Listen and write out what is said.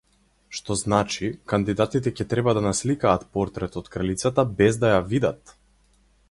Што значи, кандидатите ќе треба да насликаат портрет од кралицата без да ја видат!